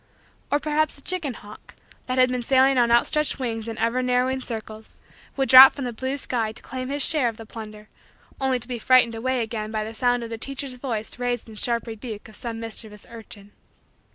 Or, perhaps, a chicken hawk, that had been sailing on outstretched wings in ever narrowing circles, would drop from the blue sky to claim his share of the plunder only to be frightened away again by the sound of the teacher's voice raised in sharp rebuke of some mischievous urchin.